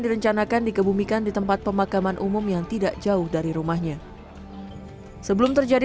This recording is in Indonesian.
direncanakan dikebumikan di tempat pemakaman umum yang tidak jauh dari rumahnya sebelum terjadi